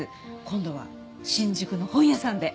今度は新宿の本屋さんで。